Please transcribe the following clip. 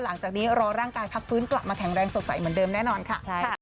หลังจากนี้รอร่างกายพักฟื้นกลับมาแข็งแรงสดใสเหมือนเดิมแน่นอนค่ะ